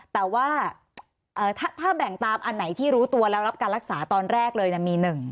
แต่ว่าถ้าแบ่งตามอันไหนที่รู้ตัวแล้วรับการรักษาตอนแรกเลยมี๑